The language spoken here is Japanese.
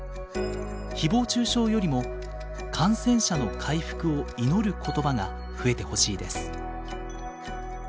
ひぼう中傷よりも感染者の回復を祈る言葉が増えてほしいです」。